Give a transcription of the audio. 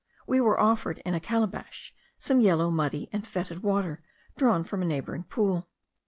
We were offered, in a calabash, some yellow, muddy, and fetid water, drawn from a neighbouring pool.